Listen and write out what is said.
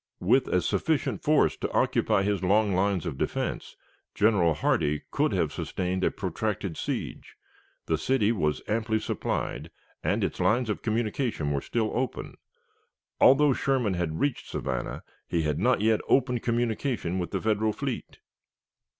With a sufficient force to occupy his long lines of defense, General Hardee could have sustained a protracted siege. The city was amply supplied, and its lines of communication were still open. Although Sherman had reached Savannah, he had not yet opened communication with the Federal fleet.